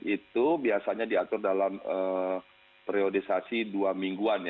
itu biasanya diatur dalam periodisasi dua mingguan